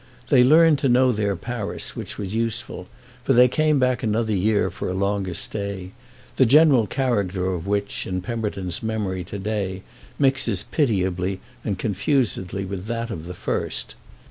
They learned to know their Paris, which was useful, for they came back another year for a longer stay, the general character of which in Pemberton's memory to day mixes pitiably and confusedly with that of the first.